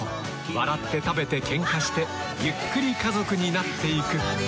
笑って食べてケンカしてゆっくり家族になっていく。